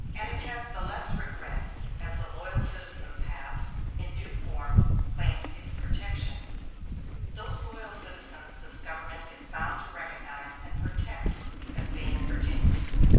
And it has the less regret, as the loyal citizens have, in due form, claimed its protection. Those loyal citizens this government is bound to recognize and protect, as being Virginia."